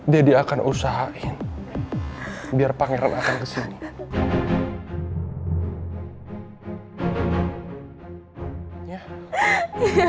dedi akan usahain biar pangeran akan kesini